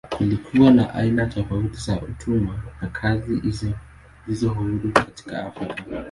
Kulikuwa na aina tofauti za utumwa na kazi isiyo huru katika Afrika.